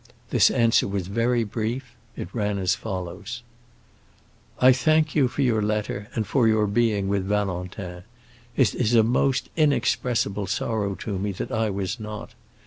This answer was very brief; it ran as follows:— "I thank you for your letter, and for your being with Valentin. It is a most inexpressible sorrow to me that I was not.